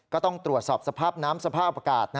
ก็ต้องตรวจสอบน้ำสปากาศ